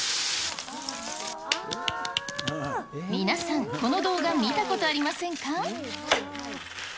皆さん、この動画、見たことありませんか。